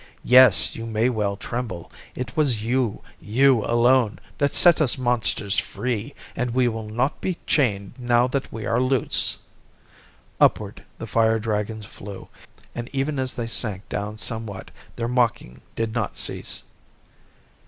Yes, you may well tremble. It was you, you alone, that set us monsters free and we will not be chained now that we are loose." Upward the fire dragons flew, and even as they sank down somewhat, their mocking did not cease.